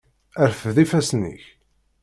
Rfed ifassen-nnek!